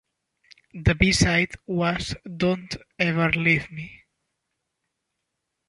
The B-side was "Don't Ever Leave Me".